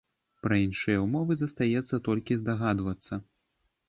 Пра іншыя ўмовы застаецца толькі здагадвацца.